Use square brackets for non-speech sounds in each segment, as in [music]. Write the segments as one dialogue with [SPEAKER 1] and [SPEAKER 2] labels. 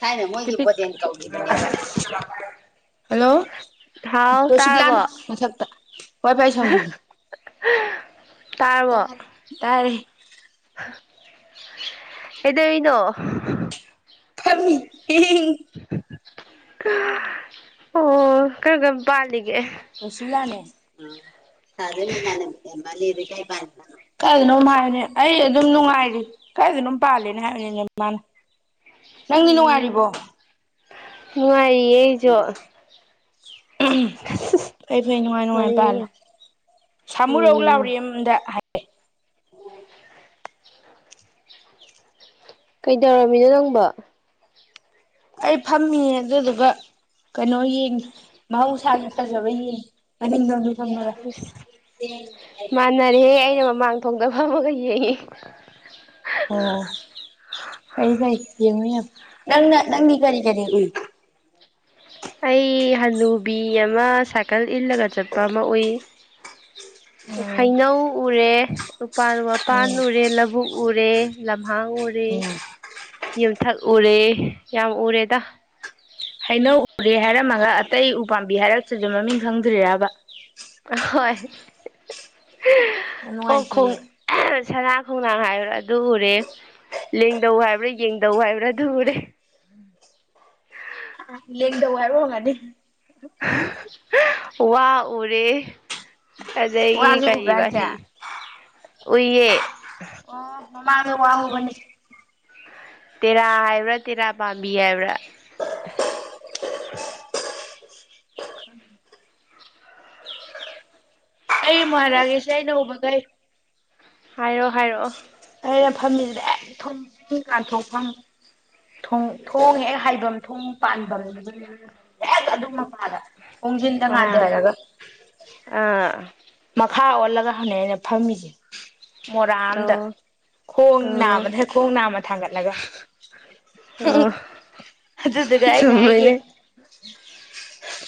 [SPEAKER 1] ꯊꯥꯏꯅ ꯃꯣꯏꯒꯤ
[SPEAKER 2] ꯄꯤꯄꯤꯛ
[SPEAKER 1] ꯕꯣꯗꯦꯟ ꯀꯧꯈꯤꯕꯅꯦꯕ
[SPEAKER 2] ꯑꯁ
[SPEAKER 1] ꯫ ꯍꯜꯂꯣ
[SPEAKER 2] ꯍꯥꯎ
[SPEAKER 1] ꯑꯣ ꯁꯨꯕꯥꯂꯥꯅꯤ
[SPEAKER 2] ꯇꯥꯔꯕꯣ
[SPEAKER 1] ꯃꯊꯛꯇ ꯋꯥꯏ ꯐꯥꯏ ꯁꯝꯈꯤꯕꯅꯤ ꯇꯥꯗ꯭ꯔꯣ ꯇꯥꯔꯦ
[SPEAKER 2] ꯀꯩꯗꯩꯅꯣ
[SPEAKER 1] ꯐꯝꯃꯤ ꯍꯤ ꯍꯤ
[SPEAKER 2] ꯑꯣ ꯀꯔꯝ ꯀꯔꯝ ꯄꯜꯂꯤꯒꯦ
[SPEAKER 1] ꯁꯥꯔ ꯍꯣꯏ ꯃꯥꯃꯥꯟꯅꯕꯅꯦ ꯀꯩꯅꯣꯝ ꯍꯥꯏꯕꯅꯦ ꯑꯩ ꯑꯗꯨꯝ ꯅꯨꯡꯉꯥꯏꯔꯤ ꯀꯥꯏꯗꯅꯣꯝ ꯄꯥꯜꯂꯦꯅ ꯍꯥꯏꯕꯅꯤꯅꯦ ꯃꯥꯅ꯫ ꯅꯪꯗꯤ
[SPEAKER 2] ꯎꯝ
[SPEAKER 1] ꯅꯨꯡꯉꯥꯏꯔꯤꯕꯣ?
[SPEAKER 2] ꯅꯨꯡꯉꯥꯏꯔꯤꯌꯦ ꯑꯩꯖꯨ
[SPEAKER 1] ꯐꯩ ꯐꯩ ꯅꯨꯡꯉꯥꯏ ꯅꯨꯡꯉꯥꯏ ꯄꯥꯜꯂꯣ
[SPEAKER 2] ꯋꯥꯔꯤꯗꯨꯒ
[SPEAKER 1] ꯁꯥꯃꯨꯔꯧ
[SPEAKER 2] ꯎꯝ
[SPEAKER 1] ꯂꯥꯎꯔꯦꯝꯗꯗ
[SPEAKER 2] ꯀꯩꯗꯧꯔꯝꯃꯤꯅꯣ ꯅꯪꯕꯨ
[SPEAKER 1] ꯑꯩ ꯐꯝꯃꯤꯌꯦ ꯑꯗꯨꯗꯨꯒ ꯀꯩꯅꯣ ꯌꯦꯡꯏ ꯃꯍꯧꯁꯥꯒꯤ ꯐꯖꯕ ꯌꯦꯡꯏ ꯃꯅꯤꯡ ꯊꯣꯡꯗ
[SPEAKER 2] ꯏꯁ ꯃꯥꯟꯅꯔꯦꯍꯦ ꯑꯩꯅ ꯃꯃꯥꯡ ꯊꯣꯡꯗ ꯐꯝꯃꯒ ꯌꯦꯡꯏ
[SPEAKER 1] ꯑꯣ ꯐꯩ ꯐꯩ ꯌꯦꯡꯉꯨ ꯌꯦꯡꯉꯨ ꯅꯪꯅ ꯅꯪꯗꯤ ꯀꯔꯤ ꯀꯔꯤ ꯎꯏ
[SPEAKER 2] ꯑꯩ ꯍꯅꯨꯕꯤ ꯑꯃ ꯁꯥꯏꯀꯜ ꯏꯜꯂꯒ ꯆꯠꯄ ꯑꯃ ꯎꯏ
[SPEAKER 1] ꯎꯝ
[SPEAKER 2] ꯍꯩꯅꯧ ꯎꯔꯦ ꯎꯄꯥꯟ ꯋꯥꯄꯥꯟ
[SPEAKER 1] ꯎꯝ
[SPEAKER 2] ꯎꯔꯦ ꯂꯧꯕꯨꯛ ꯎꯔꯦ ꯂꯝꯍꯥꯡ ꯎꯔꯦ
[SPEAKER 1] ꯎꯝ
[SPEAKER 2] ꯌꯨꯝꯊꯛ ꯎꯔꯦ ꯌꯥꯝ ꯎꯔꯦꯗ
[SPEAKER 1] ꯍꯩꯅꯧ ꯎꯔꯦ ꯍꯥꯏꯔꯝꯃꯒ ꯑꯇꯩ ꯎꯄꯥꯥꯝꯕꯤ ꯍꯥꯏꯔꯛꯇ꯭ꯔꯤꯗꯨ ꯃꯃꯤꯡ ꯈꯪꯗ꯭ꯔꯤꯔꯕ
[SPEAKER 2] ꯍꯣꯏ ꯑꯣ ꯈꯣꯡ ꯁꯅꯥ ꯈꯣꯡꯅꯥꯡ ꯍꯥꯏꯕ꯭ꯔꯥ ꯑꯗꯨ ꯎꯔꯦ ꯂꯦꯡꯗꯧ ꯍꯥꯏꯕ꯭ꯔꯥ ꯌꯦꯡꯗꯧ ꯍꯥꯏꯕ꯭ꯔꯥ ꯑꯗꯨꯨ ꯎꯔꯦ
[SPEAKER 1] ꯂꯦꯡꯗꯧ ꯍꯥꯏꯕ ꯑꯣꯏꯔꯝꯒꯅꯤ
[SPEAKER 2] ꯋꯥ ꯎꯔꯦ ꯑꯗꯒꯤ
[SPEAKER 1] ꯋꯥꯖꯨ ꯎꯕ꯭ꯔꯥ
[SPEAKER 2] ꯀꯔꯤꯑꯦꯕ
[SPEAKER 1] ꯍꯥꯏꯖꯦ
[SPEAKER 2] ꯑꯁꯦ꯫
[SPEAKER 1] ꯑꯣ
[SPEAKER 2] ꯎꯏꯌꯦ
[SPEAKER 1] ꯑꯣ ꯃꯃꯥꯥꯡꯗ ꯋꯥ ꯍꯧꯕꯅꯦ
[SPEAKER 2] ꯇꯦꯔꯥ ꯍꯥꯏꯕ꯭ꯔꯥ ꯇꯦꯔꯥ ꯄꯥꯝꯕꯤ ꯍꯥꯏꯕ꯭ꯔꯥ
[SPEAKER 1] ꯑꯩ ꯑꯃꯨꯛ ꯍꯥꯏꯔꯛꯑꯒꯦꯁꯦ ꯑꯩꯅ ꯎꯕꯒꯩ
[SPEAKER 2] ꯍꯥꯏꯔꯣ ꯍꯥꯏꯔꯛꯑꯣ
[SPEAKER 1] ꯑꯩꯅ ꯐꯝꯃꯤꯁꯤꯗ ꯍꯦꯛ ꯊꯣꯡꯖꯤꯟ ꯀꯥꯟꯊꯣꯛꯐꯝ ꯊꯣꯡ ꯊꯣꯡ ꯍꯦꯛ ꯍꯥꯏꯐꯝ ꯊꯣꯡ ꯄꯥꯟꯕꯝ ꯍꯦꯛ ꯑꯗꯨꯝꯃꯛ ꯑꯥꯗ ꯊꯣꯡꯖꯤꯟꯗ
[SPEAKER 2] ꯑ
[SPEAKER 1] ꯉꯥꯗꯔꯒ
[SPEAKER 2] ꯑꯥ
[SPEAKER 1] ꯃꯈꯥ ꯑꯣꯜꯂꯒ ꯍꯟꯅꯦ ꯑꯩꯅ ꯐꯝꯃꯤꯖꯦ ꯃꯣꯔꯥ ꯑꯝꯗ
[SPEAKER 2] ꯑꯣ
[SPEAKER 1] ꯈꯣꯡ
[SPEAKER 2] ꯑꯣ
[SPEAKER 1] ꯅꯥꯝꯃꯗ ꯈꯣꯡ ꯅꯥꯝꯃ ꯊꯥꯡꯒꯠꯂꯒ
[SPEAKER 2] ꯑꯣ
[SPEAKER 1] ꯑꯗꯨꯗꯨꯒ ꯑꯩꯅ ꯑꯩꯒꯤ
[SPEAKER 2] ꯆꯨꯝꯃꯤꯅꯦ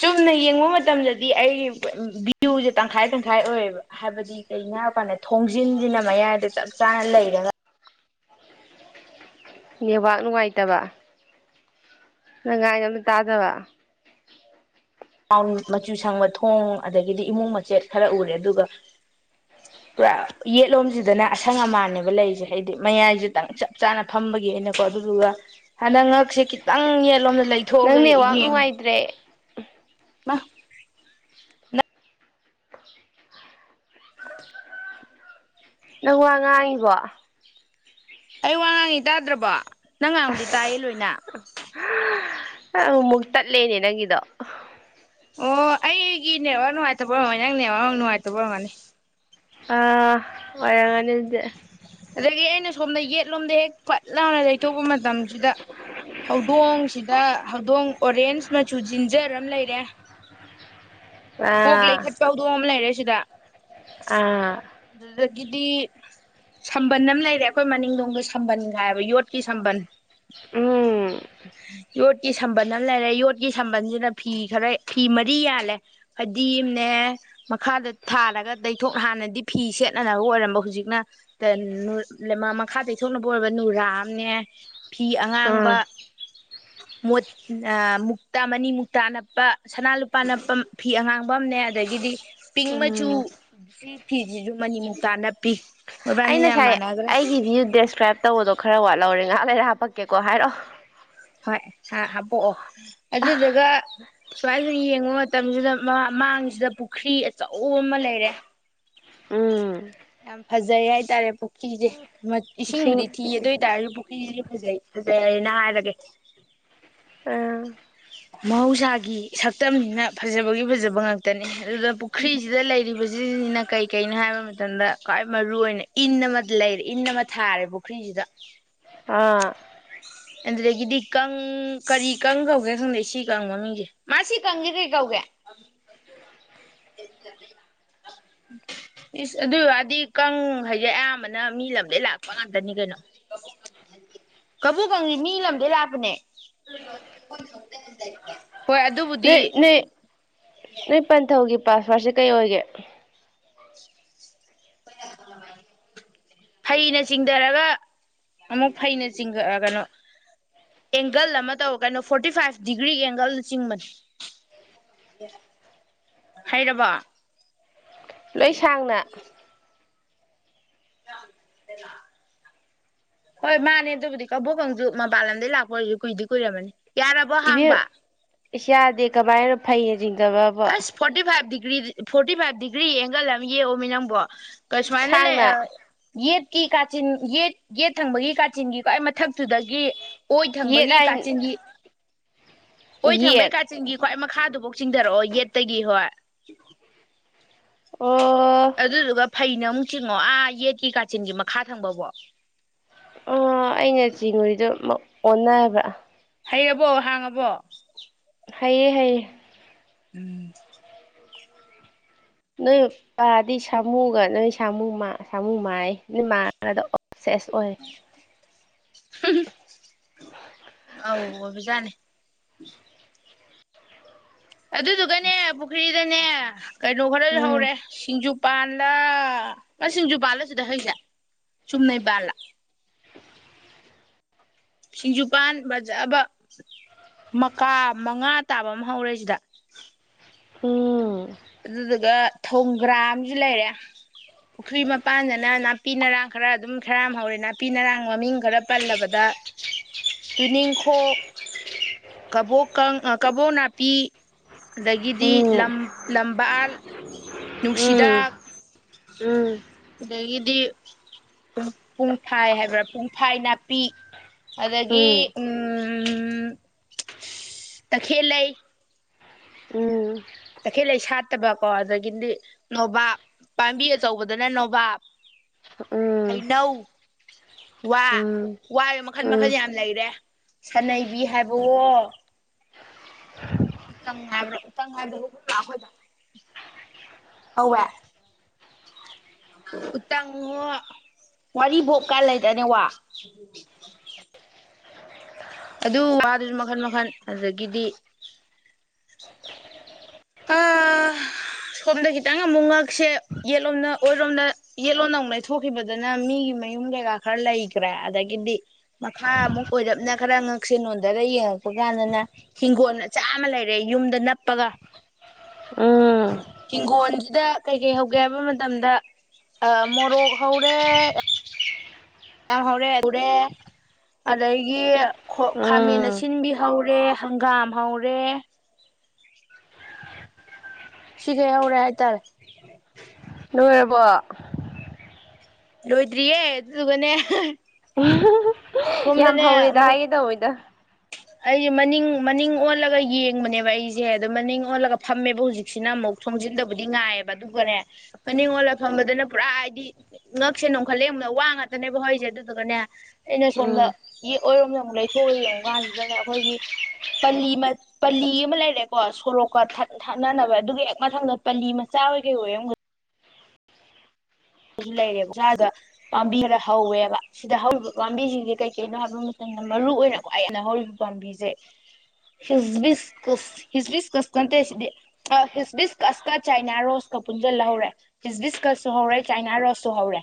[SPEAKER 1] ꯆꯨꯝꯅ ꯌꯦꯡꯕ ꯃꯇꯝꯗꯗꯤ ꯑꯩ ꯚ꯭ꯌꯨꯖꯦ ꯇꯪꯈꯥꯏ ꯇꯪ ꯈꯥꯥꯏ ꯑꯣꯏꯌꯦꯕ ꯍꯥꯏꯕꯗꯤ ꯀꯩꯒꯤꯅꯣ ꯍꯥꯏꯕ ꯀꯥꯟꯗ ꯊꯣꯡꯖꯤꯟꯖꯤꯅ ꯃꯌꯥꯏꯗ ꯆꯞ ꯆꯥꯅ ꯂꯩꯔꯒ
[SPEAKER 2] ꯅꯦꯠꯋꯥꯛ ꯅꯨꯡꯉꯥꯏꯇꯕ ꯅꯪ ꯉꯥꯡꯉꯤꯗꯣ ꯑꯝꯇꯥ ꯇꯥꯗꯕ
[SPEAKER 1] [unintelligible] ꯃꯆꯨ ꯁꯪꯕ ꯊꯣꯡ ꯑꯗꯒꯤꯗꯤ ꯏꯃꯨꯡ ꯃꯆꯦꯠ ꯈꯔ ꯎꯔꯦ ꯑꯗꯨꯒ
[SPEAKER 2] [inaudible]
[SPEAKER 1] ꯄꯨꯔꯥ ꯌꯦꯠꯂꯣꯝꯖꯤꯗꯅ ꯑꯁꯪ ꯑꯃꯥꯟꯅꯦꯕ ꯂꯩꯖꯦ ꯍꯥꯏꯗꯤ ꯃꯌꯥꯏꯖꯤꯗꯪ ꯆꯞ ꯆꯥꯅ ꯐꯝꯕꯒꯤ ꯑꯩꯅꯀꯣ ꯑꯗꯨꯗꯨꯒ ꯍꯟꯗꯛ ꯉꯛꯁꯦ ꯈꯤꯇꯪ ꯌꯦꯠꯂꯣꯝꯗ
[SPEAKER 2] ꯅꯪ
[SPEAKER 1] ꯂꯩꯊꯣꯛꯑꯒ
[SPEAKER 2] ꯅꯦꯠꯋꯥꯛ
[SPEAKER 1] ꯌꯦꯡ
[SPEAKER 2] ꯅꯨꯡꯉꯥꯏꯇ꯭ꯔꯦ
[SPEAKER 1] ꯅꯪ
[SPEAKER 2] ꯅꯪ ꯋꯥ ꯉꯥꯡꯉꯤꯕꯣ
[SPEAKER 1] ꯑꯩ ꯋꯥ ꯉꯥꯡꯉꯤ ꯇꯥꯗ꯭ꯔꯥꯕꯣ ꯅꯪ ꯉꯥꯡꯕꯗꯤ ꯇꯥꯏꯌꯦ
[SPEAKER 2] ꯑꯁ
[SPEAKER 1] ꯂꯣꯏꯅ
[SPEAKER 2] ꯑꯃꯨꯛ ꯃꯨꯛ ꯇꯠꯂꯦꯅꯦ ꯅꯪꯒꯤꯗꯣ
[SPEAKER 1] ꯑꯣ ꯑꯩꯒꯤ ꯅꯦꯠꯋꯥꯥꯛ ꯅꯨꯡꯉꯥꯏꯇꯕ ꯑꯣꯏꯔꯝꯃꯅꯤ ꯅꯪ ꯅꯦꯠꯋꯥꯥꯛ ꯅꯨꯡꯉꯥꯏꯇꯕ ꯑꯣꯏꯔꯝꯒꯅꯤ
[SPEAKER 2] ꯑꯥ ꯑꯣꯏꯔꯝꯒꯅꯤ ꯑꯗꯨꯗꯤ
[SPEAKER 1] ꯑꯗꯒꯤ ꯑꯩꯅ ꯁꯣꯝꯗ ꯌꯦꯠꯂꯣꯝꯗ ꯍꯦꯛ ꯐꯠ ꯂꯥꯎꯅ ꯂꯩꯊꯣꯛꯄ ꯃꯇꯝꯖꯤꯗ ꯍꯧꯗꯣꯡꯖꯤꯗ ꯍꯧꯗꯣꯡ ꯑꯣꯔꯦꯟꯁ ꯃꯆꯨ ꯖꯤꯟꯖꯔ ꯑꯝ ꯂꯩꯔꯦ ꯀꯣꯛ
[SPEAKER 2] ꯑꯥ
[SPEAKER 1] ꯂꯩꯈꯠꯄ ꯍꯧꯗꯣꯡ ꯑꯃ ꯂꯩꯔꯦ ꯁꯤꯗ
[SPEAKER 2] ꯑꯥ
[SPEAKER 1] ꯑꯗꯨꯗꯒꯤꯗꯤ ꯁꯝꯕꯟ ꯑꯃ ꯂꯩꯔꯦ ꯑꯩꯈꯣꯏ ꯃꯅꯤꯡꯗꯣꯡꯗ ꯁꯝꯕꯟꯈꯥꯏꯕ ꯌꯣꯠꯀꯤ ꯁꯝꯕꯟ
[SPEAKER 2] ꯎꯝ
[SPEAKER 1] ꯌꯣꯠ ꯀꯤ ꯁꯝꯕꯟ ꯑꯃ ꯂꯩꯔꯦ ꯌꯣꯠꯀꯤ ꯁꯝꯕꯟꯖꯤꯅ ꯐꯤ ꯈꯔ ꯐꯤ ꯃꯔꯤ ꯌꯥꯜꯂꯦ ꯐꯥꯗꯤꯝꯅꯦ ꯃꯈꯥꯗ ꯊꯥꯔꯒ ꯇꯩꯊꯣꯛ ꯍꯥꯟꯅꯗꯤ ꯐꯤ ꯁꯦꯠꯅꯅꯕ ꯑꯣꯏꯔꯝꯕ ꯍꯨꯖꯤꯛꯅ [unintelligible] ꯃꯈꯥ ꯇꯩꯊꯣꯛꯅꯕ ꯑꯣꯏꯕ ꯅꯨꯔꯥ ꯑꯝꯅꯦ ꯐꯤ ꯑꯉꯥꯡꯕ
[SPEAKER 2] ꯎꯝ
[SPEAKER 1] ꯃꯣꯠ ꯑꯥ ꯃꯨꯛꯇꯥ ꯃꯅꯤ ꯃꯨꯛꯇꯥ ꯅꯞꯄ ꯁꯅꯥ ꯂꯨꯄꯥ ꯅꯞꯄ ꯐꯤ ꯑꯉꯥꯡꯕ ꯑꯝꯅꯦ ꯑꯗꯒꯤꯗꯤ ꯄꯤꯡ ꯃꯆꯨ
[SPEAKER 2] ꯎꯝ
[SPEAKER 1] ꯁꯤ ꯐꯤꯖꯤꯖꯨ ꯃꯅꯤꯃꯨꯛꯇꯥ ꯅꯞꯄꯤ
[SPEAKER 2] ꯑꯩ
[SPEAKER 1] ꯃꯣꯏꯕꯥꯅꯤ ꯌꯥꯝ
[SPEAKER 2] ꯅꯁꯥꯏ
[SPEAKER 1] ꯃꯥꯟꯅꯈ꯭ꯔꯦ
[SPEAKER 2] ꯑꯩꯒꯤ ꯚ꯭ꯌꯨ ꯗꯦꯁꯀ꯭ꯔꯥꯏꯞ ꯇꯧꯕꯗꯣ ꯈꯔ ꯋꯥꯠꯂꯧꯔꯦ ꯉꯥꯏꯍꯥꯛ ꯂꯩꯔ ꯍꯥꯄꯛꯀꯦꯀꯣ ꯍꯥꯏꯔꯛꯑꯣ
[SPEAKER 1] ꯍꯣꯏ ꯍꯥ ꯍꯥꯄꯛꯑꯣ ꯑꯗꯨꯗꯨꯒ ꯁꯨꯃꯥꯏꯟ ꯁꯨꯝ ꯌꯦꯡꯕ ꯃꯥ ꯇꯝꯖꯤꯗ ꯃꯥꯡ ꯃꯥꯡꯁꯤꯗ ꯄꯨꯈ꯭ꯔꯤ ꯑꯆꯧꯕ ꯑꯃ ꯂꯩꯔꯦ
[SPEAKER 2] ꯎꯝ
[SPEAKER 1] ꯌꯥꯝ ꯐꯖꯩ ꯍꯥꯏꯇꯥꯔꯦ ꯄꯨꯈꯤꯖꯦ ꯃꯥꯠ
[SPEAKER 2] ꯁꯤꯡ
[SPEAKER 1] ꯏꯁꯤꯡꯕꯨꯗꯤ ꯊꯤ ꯑꯗꯨ ꯑꯣꯏ ꯇꯥꯔꯖꯨ ꯄꯨꯛ [unintelligible] ꯐꯖꯩ ꯐꯖꯔꯦꯅ ꯍꯥꯏꯔꯒꯦ
[SPEAKER 2] ꯑꯥ
[SPEAKER 1] ꯃꯍꯧꯁꯥꯒꯤ ꯁꯛꯇꯝꯅꯤꯅ ꯐꯖꯕꯒꯤ ꯐꯖꯕ ꯉꯥꯛꯇꯅꯤ ꯑꯗꯨꯗꯨꯅ ꯄꯨꯈ꯭ꯔꯤꯖꯤꯗ ꯂꯩꯔꯤꯕ ꯖꯤꯖꯤꯅ ꯀꯩ ꯀꯩꯅꯣ ꯍꯥꯏꯕ ꯃꯇꯝꯗ ꯈ꯭ꯋꯥꯏ ꯃꯔꯨ ꯑꯣꯏꯅ ꯏꯟ ꯑꯃꯗꯤ ꯂꯩꯔꯦ ꯏꯟ ꯑꯃ ꯊꯥꯔꯦ ꯄꯨꯈ꯭ꯔꯤꯖꯤꯗ
[SPEAKER 2] ꯑꯥ
[SPEAKER 1] ꯑꯗꯨꯗꯥꯒꯤꯗꯤ ꯀꯪ ꯀꯔꯤ ꯀꯪ ꯀꯧꯒꯦ ꯈꯪꯗꯦ ꯁꯤ ꯀꯪ ꯃꯃꯤꯡꯖꯦ ꯃꯥꯁꯤ ꯀꯪꯖꯤ ꯀꯩ ꯀꯧꯒꯦ
[SPEAKER 2] [unintelligible]
[SPEAKER 1] [unintelligible] ꯏꯁ ꯑꯗꯨꯏ ꯋꯥꯗꯤ ꯀꯪ ꯍꯥꯏꯁꯦ ꯑꯌꯥꯝꯕꯅ ꯃꯤ ꯂꯝꯗꯩ ꯂꯥꯛꯄ ꯉꯥꯛꯇꯅꯤ ꯀꯩꯅꯣ ꯀꯕꯣ ꯀꯥꯡꯁꯤ ꯃꯤ ꯂꯝꯗꯩ ꯂꯥꯛꯄꯅꯦ ꯍꯣꯏ
[SPEAKER 2] ꯅꯣꯏ
[SPEAKER 1] ꯑꯗꯨꯕꯨꯗꯤ
[SPEAKER 2] ꯅꯣꯏ ꯅꯣꯏ ꯄꯟꯊꯧꯒꯤ ꯄꯥꯁꯋꯥꯔꯠꯁꯦ ꯀꯩ ꯑꯣꯏꯒꯦ
[SPEAKER 1] [unintelligible] ꯐꯩꯅ ꯆꯤꯡꯊꯔꯒ ꯑꯃꯨꯛ ꯐꯩꯅ ꯆꯤꯡ ꯀꯩꯅꯣ ꯑꯦꯡꯒꯜ ꯑꯃ ꯇꯧ ꯀꯩꯅꯣ ꯐꯣꯔꯇꯤ ꯐꯥꯏꯚ ꯗꯤꯒ꯭ꯔꯤꯒꯤ ꯑꯦꯡꯒꯜꯅ ꯆꯤꯡꯕꯅꯤ ꯍꯩꯔꯕ
[SPEAKER 2] ꯂꯣꯏ ꯁꯥꯡꯅ [unintelligible]
[SPEAKER 1] ꯍꯣꯏ ꯃꯥꯅꯦ ꯑꯗꯨꯕꯨꯗꯤ ꯀꯕꯣꯛ ꯀꯥꯡꯖꯨ ꯃꯄꯥꯟ ꯂꯝꯗꯒꯤꯩ ꯂꯥꯛꯄ ꯑꯣꯏꯔꯁꯨ ꯀꯨꯏꯗꯤ ꯀꯨꯏꯔꯔꯕꯅꯤ ꯌꯥꯔꯕꯣ
[SPEAKER 2] ꯏꯕꯦꯝ
[SPEAKER 1] ꯍꯥꯡꯕ
[SPEAKER 2] ꯏꯁ ꯌꯥꯗꯦ ꯀꯃꯥꯏꯅꯅꯣ ꯐꯩꯅ ꯆꯤꯡꯊꯕ
[SPEAKER 1] ꯑꯁ forty five degree forty five degree angle ꯑꯃ ꯌꯦꯛꯑꯣꯃꯤ ꯅꯪꯕꯣ ꯀꯩꯁꯨꯃꯥꯏ ꯂꯩ
[SPEAKER 2] ꯁꯥꯡꯅ
[SPEAKER 1] ꯑ ꯌꯦꯠꯀꯤ ꯀꯥꯆꯤꯟ ꯌꯦꯠ ꯌꯦꯠ ꯊꯪꯕꯒꯤ ꯀꯥꯆꯤꯟꯒꯤꯀꯣ ꯑꯩ ꯃꯊꯛꯇꯨꯗꯒꯤ ꯑꯣꯏ
[SPEAKER 2] ꯌꯦꯠ
[SPEAKER 1] ꯊꯪꯕꯒꯤ
[SPEAKER 2] ꯍꯥꯏ
[SPEAKER 1] ꯀꯥꯆꯤꯟꯒꯤ ꯑꯣꯏ ꯊꯪꯕꯒꯤ
[SPEAKER 2] ꯌꯦꯠ
[SPEAKER 1] ꯀꯥꯆꯤꯟ ꯆꯤꯡꯒꯤ ꯈ꯭ꯋꯥꯏ ꯃꯈꯥꯗꯨꯐꯧ ꯆꯤꯡꯊꯔꯛꯑꯣ ꯌꯦꯠꯇꯒꯤ ꯍꯣꯏ
[SPEAKER 2] ꯑꯣ
[SPEAKER 1] ꯑꯗꯨꯗꯨꯒ ꯐꯩꯅ ꯑꯃꯨꯛ ꯆꯤꯡꯉꯣ ꯑꯥ ꯌꯦꯠꯀꯤ ꯀꯥꯆꯤꯟꯒꯤ ꯃꯈꯥ ꯊꯪꯕꯐꯥꯎ
[SPEAKER 2] ꯑ ꯑꯩꯅ ꯆꯤꯉꯨꯔꯤꯗꯨ ꯑꯣꯟꯅꯕ꯭ꯔꯥ
[SPEAKER 1] ꯍꯩꯔꯕꯣ ꯍꯥꯡꯉꯕꯣ
[SPEAKER 2] ꯍꯥꯏꯌꯦ ꯍꯥꯏꯌꯦ
[SPEAKER 1] ꯎꯝ
[SPEAKER 2] ꯅꯣꯏ ꯄꯗꯤ ꯁꯥꯃꯨꯒ ꯅꯣꯏ ꯁꯥꯃꯨ ꯁꯥꯃꯨ ꯃꯥꯥꯏ ꯅꯣꯏ ꯃꯥꯡꯗ ꯑꯣ ꯁꯦꯁ ꯑꯣꯏ
[SPEAKER 1] ꯍꯨ ꯍꯨꯝ ꯑꯧ ꯑꯣꯏꯕꯖꯥꯠꯅꯤ ꯑꯗꯨꯗꯨꯒꯅꯦ ꯄꯨꯈ꯭ꯔꯤꯗꯅꯦ ꯀꯩꯅꯣ ꯈꯔ
[SPEAKER 2] ꯎꯝ
[SPEAKER 1] ꯂꯧꯍꯧꯔꯦ ꯁꯤꯡꯖꯨꯞ ꯄꯥꯜꯂꯥ ꯃꯥ ꯁꯤꯡꯖꯨ ꯄꯥꯜꯂ ꯁꯤꯗ ꯍꯩꯁꯦ ꯁꯨꯝꯅꯩ ꯄꯥꯜꯂ ꯁꯤꯡꯖꯨꯄꯥꯟ ꯐꯖꯕ ꯃꯀꯥ ꯃꯉꯥ ꯇꯥꯕ ꯑꯃ ꯍꯧꯔꯦ ꯁꯤꯗ
[SPEAKER 2] ꯎꯝ
[SPEAKER 1] ꯑꯗꯨꯗꯨꯒ ꯊꯣꯡꯒ꯭ꯔꯥꯝ ꯑꯃꯁꯨ ꯂꯩꯔꯦ ꯄꯨꯈ꯭ꯔꯤ ꯃꯄꯥꯟꯗꯅ ꯅꯥꯄꯤ ꯅꯔꯥꯡ ꯈꯔ ꯑꯗꯨꯝ ꯈꯔ ꯑꯃ ꯍꯧꯔꯦ ꯅꯥꯄꯤ ꯅꯔꯥꯡ ꯃꯃꯤꯡ ꯈꯔ ꯄꯜꯂꯕꯗ
[SPEAKER 2] [unintelligible]
[SPEAKER 1] ꯇꯨꯅꯤꯡꯈꯣꯛ ꯀꯕꯣꯛ ꯀꯪ ꯀꯕꯣꯛ ꯅꯥꯄꯤ ꯑꯗꯒꯤꯗꯤ
[SPEAKER 2] ꯎꯝ
[SPEAKER 1] ꯂꯝ ꯂꯝꯕꯥꯜ
[SPEAKER 2] ꯎꯝ
[SPEAKER 1] ꯅꯨꯡꯁꯤꯗꯥꯛ ꯑꯗꯒꯤꯗꯤ ꯄꯨꯡꯐꯥꯏ ꯍꯥꯏꯕ꯭ꯔꯥ ꯄꯨꯡꯐꯥꯏ ꯅꯥꯄꯤ ꯑꯗꯒꯤ
[SPEAKER 2] ꯎꯝ
[SPEAKER 1] ꯎꯝ ꯇꯈꯦꯜ ꯂꯩ
[SPEAKER 2] ꯎꯝ ꯎꯝ
[SPEAKER 1] ꯇꯈꯦꯜ ꯂꯩ ꯁꯥꯠꯇꯕꯀꯣ ꯑꯗꯒꯤꯗꯤ ꯅꯣꯕꯥꯞ ꯄꯥꯝꯕꯤ ꯑꯆꯧꯕꯗꯅ ꯅꯣꯕꯥꯞ
[SPEAKER 2] ꯎꯝ
[SPEAKER 1] ꯍꯩꯅꯧ ꯋꯥ ꯋꯥ
[SPEAKER 2] ꯎꯝ
[SPEAKER 1] ꯃꯈꯜ ꯃꯈꯜ
[SPEAKER 2] ꯎꯝ
[SPEAKER 1] ꯌꯥꯝ ꯂꯩꯔꯦ ꯁꯅꯩꯕꯤ ꯍꯥꯏꯕꯋꯣ ꯎꯇꯪ ꯍꯥꯏꯕ꯭ꯔ ꯎꯇꯪ ꯍꯥꯏꯕ꯭ꯔꯣ ꯍꯧꯌꯦ ꯎꯇꯪꯉꯣ ꯋꯥꯔꯤꯕꯣꯞ ꯂꯩꯏꯗꯥꯏꯅꯦ ꯋꯥ ꯑꯗꯨ ꯋꯥꯗꯨꯁꯨ ꯃꯈꯟ ꯃꯈꯟ ꯑꯗꯒꯤꯗꯤ ꯑꯥ
[SPEAKER 2] [inaudible]
[SPEAKER 1] ꯁꯣꯝꯗ ꯈꯤꯇꯪ ꯑꯃꯨꯛ ꯉꯛꯁꯦ ꯌꯦꯠꯂꯣꯝꯗ ꯑꯣꯏꯔꯣꯝꯗ ꯌꯦꯠꯂꯣꯗ ꯑꯃꯨꯛ ꯂꯩꯊꯣꯛꯈꯤꯕꯗꯅ ꯃꯤꯒꯤ ꯃꯌꯨꯝ ꯀꯩꯀꯥ ꯈꯔ ꯂꯩꯈ꯭ꯔꯦ ꯑꯗꯒꯤꯗꯤ ꯃꯈꯥ ꯑꯃꯨꯛ ꯑꯣꯏꯔꯞꯅ ꯈꯔ ꯉꯛꯁꯦ ꯅꯣꯟꯗꯔ ꯌꯦꯡꯉꯛꯄ ꯀꯥꯟꯗꯅ ꯍꯤꯡꯒꯣꯜ ꯑꯆꯥ ꯑꯃ ꯂꯩꯔꯦ ꯌꯨꯝꯗ ꯅꯞꯄꯒ
[SPEAKER 2] ꯎꯝ
[SPEAKER 1] ꯍꯤꯡꯒꯣꯟꯁꯤꯗ ꯀꯩ ꯀꯩ ꯍꯧꯒꯦ ꯍꯥꯏꯕ ꯃꯇꯝꯗ ꯑ ꯃꯣꯔꯣꯛ ꯍꯧꯔꯦ ꯌꯥꯝ ꯍꯧꯔꯦ ꯎꯔꯦ ꯑꯗꯒꯤ ꯈꯣ ꯈꯥꯃꯦꯟ
[SPEAKER 2] ꯎꯝ
[SPEAKER 1] ꯁꯤꯟꯕꯤ ꯍꯧꯔꯦ ꯍꯪꯒꯥꯝ ꯍꯧꯔꯦ ꯁꯤꯒꯩ ꯍꯧꯔꯦ ꯍꯥꯏꯇꯥꯔꯦ
[SPEAKER 2] ꯂꯣꯏꯔꯕꯣ
[SPEAKER 1] ꯂꯣꯏꯗ꯭ꯔꯤꯌꯦ ꯑꯗꯨꯗꯨꯒꯅꯦ
[SPEAKER 2] [unintelligible] ꯌꯥꯝ ꯍꯧꯔꯦꯗ ꯍꯥꯏꯒꯦ ꯇꯧꯏꯗ
[SPEAKER 1] ꯑꯩ ꯃꯅꯤꯡ ꯃꯅꯤꯡ ꯑꯣꯜꯂꯒ ꯌꯦꯡꯕꯅꯦꯕ ꯑꯩꯖꯦ ꯑꯗꯣ ꯃꯅꯤꯡ ꯑꯣꯜꯂꯒ ꯐꯝꯃꯦꯕ ꯍꯧꯖꯤꯛꯁꯤꯅ ꯑꯃꯨꯛ ꯊꯣꯡꯖꯤꯟꯗꯕꯨꯗꯤ ꯉꯥꯏꯌꯦꯕ ꯑꯗꯨꯒꯅꯦ ꯐꯅꯤꯡ ꯑꯣꯜꯂ ꯐꯝꯕꯗꯅ ꯄꯨꯔꯥ ꯍꯥꯏꯗꯤ ꯉꯛꯁꯦ ꯅꯣꯟꯈꯠꯂꯦ ꯌꯦꯡꯕꯗꯥ ꯋꯥ ꯉꯥꯛꯇꯅꯦꯕ ꯍꯧꯔꯤꯖꯦ ꯑꯗꯨꯗꯨꯒꯅꯦ ꯑꯩꯅ ꯁꯣꯝꯗ
[SPEAKER 2] ꯎꯝ
[SPEAKER 1] ꯌꯦꯛ ꯑꯣꯏꯔꯣꯝꯗ ꯑꯃꯨꯛ ꯂꯩꯊꯣꯛꯑ ꯌꯦꯡꯉꯨ ꯀꯥꯟꯁꯤꯗꯅꯦ ꯑꯩꯈꯣꯏꯒꯤ ꯄꯜꯂꯤ ꯃ ꯄꯜꯂꯤ ꯑꯃ ꯂꯩꯔꯦꯀꯣ ꯁꯣꯔꯣꯛꯀ ꯊꯠ ꯊꯠꯅꯅꯕ ꯑꯗꯨꯒꯤ ꯍꯦꯛ ꯃꯊꯪꯗ ꯄꯜꯂꯤ ꯃꯆꯥ ꯑꯣꯏ ꯀꯩ ꯑꯣꯏ ꯑꯝꯒ ꯁꯨ ꯂꯩꯔꯦꯕ ꯆꯥꯕ ꯄꯥꯝꯕꯤ ꯈꯔ ꯍꯧꯌꯦꯕ ꯁꯤꯗ ꯍꯧꯔꯤꯕ ꯄꯥꯝꯕꯤꯁꯤꯡꯁꯦ ꯀꯩ ꯀꯩꯅꯣ ꯍꯥꯏꯕ ꯃꯇꯝꯗ ꯃꯔꯨ ꯑꯣꯏꯅ ꯈ꯭ꯋꯥꯏ ꯍꯦꯟꯅ ꯍꯧꯔꯤꯕ ꯄꯥꯝꯕꯤꯖꯦ ꯍꯤꯁꯕꯤꯁꯀꯁ ꯍꯤꯁꯕꯤꯁꯀꯁ ꯅꯠꯇꯦ ꯁꯤꯗꯤ ꯑ ꯍꯤꯁꯕꯤꯁꯀꯁꯀ ꯆꯥꯏꯅꯥ ꯔꯣꯁꯀ ꯄꯨꯟꯖꯟꯂ ꯍꯧꯔꯦ ꯍꯤꯁꯕꯤꯁꯀꯁꯨ ꯍꯧꯔꯦ ꯆꯥꯏꯅꯥ ꯔꯣꯁꯁꯨ ꯍꯧꯔꯦ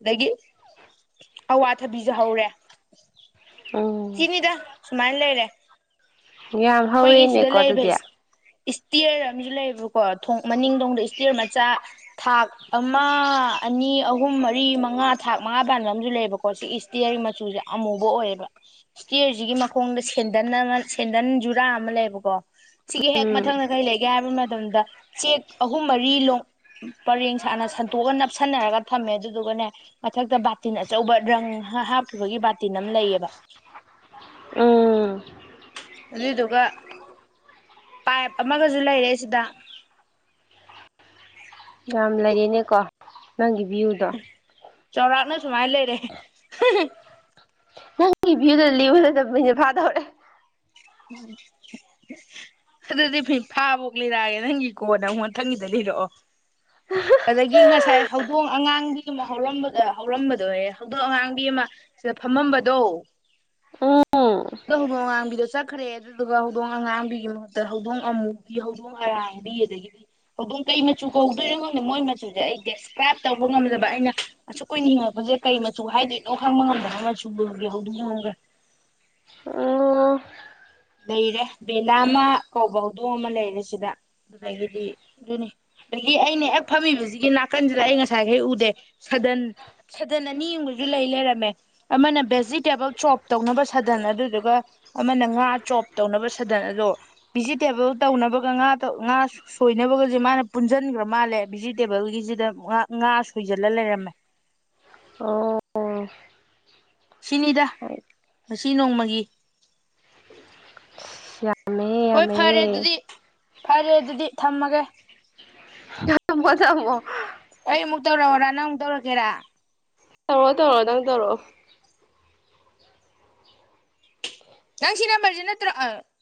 [SPEAKER 1] ꯑꯗꯒꯤ ꯑꯋꯥꯊꯕꯤꯁꯨ ꯍꯧꯔꯦ
[SPEAKER 2] ꯎꯝ
[SPEAKER 1] ꯁꯤꯅꯤꯗ ꯁꯨꯃꯥꯏ ꯂꯩꯔꯦ
[SPEAKER 2] ꯌꯥꯝ
[SPEAKER 1] ꯈꯣꯏꯒꯤ ꯁꯤꯗ
[SPEAKER 2] ꯍꯧꯔꯦꯅꯦꯀꯣ
[SPEAKER 1] ꯂꯩꯔꯤꯕ
[SPEAKER 2] ꯑꯗꯨꯗꯤ
[SPEAKER 1] ꯏꯁ ꯏꯁꯇꯤꯌꯔ ꯑꯃꯖꯨ ꯂꯩꯕꯀꯣ ꯊꯣꯡ ꯃꯅꯤꯡꯗꯣꯡꯗ ꯏꯁꯇꯤꯔ ꯃꯆꯥ ꯊꯥꯛ ꯑꯃ ꯑꯅꯤ ꯑꯍꯨꯝ ꯃꯔꯤ ꯃꯉꯥ ꯊꯥꯛ ꯃꯉꯥ ꯄꯥꯟꯕ ꯑꯃꯁꯨ ꯂꯩꯕꯀꯣ ꯁꯤꯏꯁ ꯇꯦꯌꯔ ꯃꯆꯨꯖꯦ ꯑꯃꯨꯕ ꯑꯣꯏꯌꯦꯕ ꯏꯁꯇꯤꯌꯔꯖꯤꯒꯤ ꯃꯈꯣꯡꯗ ꯁꯦꯟꯗꯟ ꯑꯃ ꯁꯦꯟꯗꯟ ꯖꯨꯔꯥ ꯑꯃ ꯂꯩꯑꯦꯕꯀꯣ ꯁꯤꯒꯤ ꯍꯦꯛ
[SPEAKER 2] ꯎꯝ
[SPEAKER 1] ꯃꯊꯪꯗ ꯀꯔꯤ ꯂꯩꯒꯦ ꯍꯥꯏꯕ ꯃꯇꯝꯗ ꯆꯦꯛ ꯑꯍꯨꯝ ꯃꯔꯤ ꯂꯣꯡ ꯄꯔꯦꯡ ꯁꯥꯅ ꯁꯟꯇꯣꯛꯑꯒꯥ ꯅꯞꯁꯟꯅꯔꯒ ꯊꯝꯃꯦ ꯑꯗꯨꯗꯨꯒꯅꯦ ꯃꯊꯛꯇ ꯕꯥꯇꯤꯟ ꯑꯆꯧꯕ ꯔꯪ ꯍꯥ ꯍꯥꯞꯈꯤꯕꯒꯤ ꯕꯥꯇꯤꯟ ꯑꯃ ꯂꯩꯑꯕ [inaudible]
[SPEAKER 2] ꯎꯝ
[SPEAKER 1] ꯑꯗꯨꯗꯨꯒ ꯄꯥꯏꯞ ꯑꯃꯒꯁꯨ ꯂꯩꯔꯦ ꯁꯤꯗ
[SPEAKER 2] ꯌꯥꯝ ꯂꯩꯔꯦꯅꯦꯀꯣ ꯅꯪꯒꯤ ꯚ꯭ꯌꯨꯗꯣ
[SPEAKER 1] ꯆꯥꯎꯔꯥꯛꯅ ꯁꯨꯃꯥꯏꯅ ꯂꯩꯔꯦ
[SPEAKER 2] ꯅꯪꯒꯤ ꯚꯤꯌꯨꯗ [unintelligible] ꯐꯥꯗꯧꯔꯦ
[SPEAKER 1] [inaudible] ꯑꯗꯨꯗꯤ ꯐꯤ ꯐꯥꯕꯧ ꯂꯤꯔꯛꯑꯒꯦ ꯅꯪꯒꯤ ꯀꯣꯟꯅ ꯑꯃꯨꯛ ꯃꯊꯪꯒꯤꯗ ꯂꯤꯔꯛꯑꯣ ꯑꯗꯒꯤ ꯉꯁꯥꯏ ꯍꯧꯗꯣꯡ ꯑꯉꯥꯡꯕꯤ ꯑꯃ ꯍꯧꯔꯝꯕꯗ ꯍꯧꯔꯝꯕꯗꯣꯌꯦ ꯍꯧꯗꯣꯡ ꯑꯉꯥꯡꯕꯤ ꯑꯃ ꯁꯤꯗ ꯐꯝꯃꯝꯕꯗꯣ
[SPEAKER 2] ꯎꯝ
[SPEAKER 1] ꯑꯗꯨ ꯍꯧꯗꯣꯡ ꯑꯉꯥꯡꯕꯤꯗꯣ ꯈ꯭ꯔꯦ ꯑꯗꯨꯗꯨꯒ ꯍꯧꯗꯣꯡ ꯑꯉꯥꯡꯕꯤꯒꯤ ꯃꯍꯨꯠꯇ ꯍꯧꯗꯣꯡ ꯑꯃꯨꯕꯤ ꯍꯧꯗꯣꯡ ꯑꯔꯥꯡꯕꯤ ꯑꯗꯒꯤꯗꯤ ꯍꯧꯗꯣꯡ ꯀꯩ ꯃꯆꯨ ꯀꯧꯗꯣꯏꯅ ꯈꯪꯗꯣ ꯃꯣꯏ ꯃꯆꯨꯖꯦ ꯃꯁꯤ ꯑꯩ ꯗꯦꯁꯀ꯭ꯔꯥꯏꯞ ꯇꯧꯕ ꯉꯝꯖꯕ ꯑꯩꯅ ꯑꯁꯨ ꯀꯨꯏꯅꯤꯡꯉꯛꯄꯁꯦ ꯀꯔꯤ ꯃꯆꯨ ꯍꯥꯏꯗꯣꯏꯅꯣ ꯈꯪꯕ ꯉꯝꯗꯅꯣ ꯃꯆꯨ ꯂꯒꯦ ꯍꯧꯗꯤ ꯌꯦꯒꯦ
[SPEAKER 2] ꯑꯣ
[SPEAKER 1] ꯂꯩꯔꯦ ꯕꯦꯂꯥ ꯑꯃ ꯀꯧꯕ ꯍꯧꯗꯣꯡ ꯑꯃ ꯂꯩꯔꯦ ꯁꯤꯗ ꯑꯗꯨꯗꯒꯤꯗꯤ ꯑꯗꯨꯨꯅꯤ ꯑꯗꯒꯤ ꯑꯩꯅ ꯍꯦꯛ ꯐꯝꯃꯤꯕꯁꯤꯒꯤ ꯅꯥꯀꯟꯁꯤꯗ ꯑꯩ ꯉꯁꯥꯏꯈꯩ ꯎꯗꯦ ꯁꯗꯟ ꯁꯥꯗꯟ ꯑꯅꯤ ꯑꯨꯝꯒꯁꯨ ꯂꯩ ꯂꯩꯔꯝꯃꯦ ꯑꯃꯅ ꯚꯦꯖꯤꯇꯦꯕꯜ ꯆꯣꯞ ꯇꯧꯅꯕ ꯁꯥꯗꯟ ꯑꯗꯨꯗꯨꯒ ꯑꯃꯅ ꯉꯥ ꯆꯣꯞ ꯇꯧꯅꯕ ꯁꯥꯗꯟ ꯑꯗꯣ ꯚꯤꯖꯤꯇꯦꯕꯜ ꯇꯧꯅꯕꯒ ꯉꯥ ꯉꯥ ꯁꯣꯏꯅꯕꯒꯁꯦ ꯃꯥꯅ ꯄꯨꯟꯁꯤꯟꯈ꯭ꯔ ꯃꯥꯜꯂꯦ ꯚꯤꯖꯤꯇꯦꯕꯜꯒꯤꯁꯤꯗ ꯉ ꯉꯥ ꯁꯣꯏꯁꯤꯜꯂ ꯂꯩꯔꯝꯃꯦ
[SPEAKER 2] ꯑꯣ ꯑꯣ
[SPEAKER 1] ꯁꯤꯅꯤꯗ ꯉ ꯅꯣꯡꯃꯒꯤ
[SPEAKER 2] ꯌꯥꯝꯃꯦꯍꯦ
[SPEAKER 1] ꯍꯣꯏ ꯐꯔꯦ
[SPEAKER 2] ꯌꯥꯝꯃꯦꯍꯦ
[SPEAKER 1] ꯑꯗꯨꯗꯤ ꯐꯔꯦ ꯑꯗꯨꯗꯤ ꯊꯝꯃꯒꯦ
[SPEAKER 2] [unintelligible]
[SPEAKER 1] ꯑꯩ ꯑꯃꯨꯛ ꯇꯧꯔꯛꯑꯣꯔꯥ ꯅꯪꯨꯛ ꯇꯔꯛꯀꯦꯔꯥ
[SPEAKER 2] ꯇꯧꯔ‌ꯣ ꯇꯧꯔ‌ꯣ ꯅꯪ ꯇꯧꯔꯛꯑꯣ
[SPEAKER 1] ꯉꯪꯁꯤꯅꯝꯕꯔꯁꯤꯅꯠꯇ꯭ꯔꯣ